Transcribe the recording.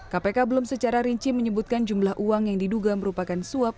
kpk belum secara rinci menyebutkan jumlah uang yang diduga merupakan suap